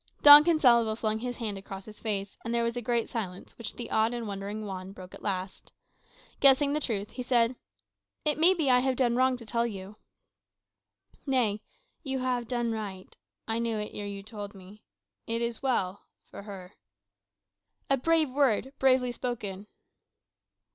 Don Gonsalvo flung his hand across his face, and there was a great silence. Which the awed and wondering Juan broke at last. Guessing at the truth, he said, "It may be I have done wrong to tell you." "No; you have done right. I knew it ere you told me. It is well for her." "A brave word, bravely spoken."